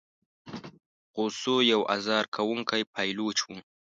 غوثو یو آزار کوونکی پایلوچ وو.